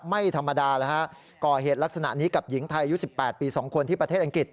ไม่ธรรมดานะฮะก่อเหตุลักษณะนี้กับหญิงไทยยุคสิบแปดปีสองคนที่ประเทศอังกฤษ